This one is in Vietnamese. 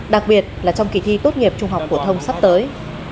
đặc biệt là trong kỳ thi tốt nghiệp trung học phổ thông sắp tới